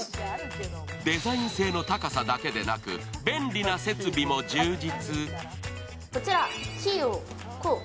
デザイン性の高さだけではなく、便利な設備も充実。